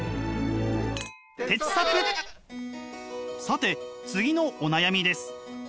さて次のお悩みです。